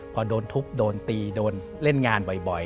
พอโดนทุบโดนตีโดนเล่นงานบ่อย